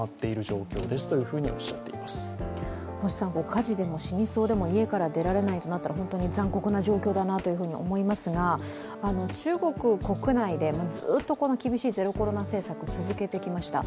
火事でも死にそうでも家から出られないとなったら本当に残酷な状況だなと思いますが、中国国内でずっとこのゼロコロナ政策を続けてきました。